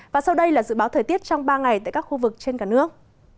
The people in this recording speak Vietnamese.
và sau đây là dự báo thời tiết trong ba ngày tại các khu vực trên cả nước